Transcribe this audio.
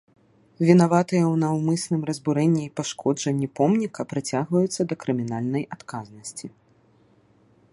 Вінаватыя ў наўмысным разбурэнні і пашкоджанні помніка прыцягваюцца да крымінальнай адказнасці.